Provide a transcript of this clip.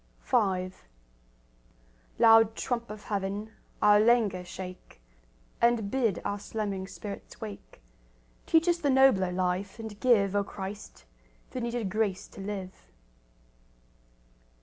V Loud trump of Heaven, our languor shake, And bid our slumbering spirits wake; Teach us the nobler life, and give, O Christ, the needed grace to live.